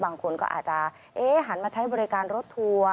บางคนก็อาจจะหันมาใช้บริการรถทัวร์